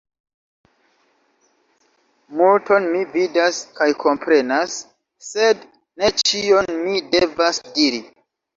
Multon mi vidas kaj komprenas, sed ne ĉion mi devas diri.